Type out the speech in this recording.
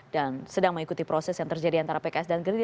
dan sedang mengikuti proses yang terjadi antara pks dan gerd